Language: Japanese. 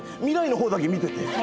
未来の方だけ見てて。